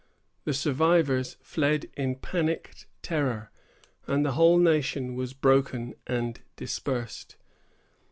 The survivors fled in panic terror, and the whole nation was broken and dispersed.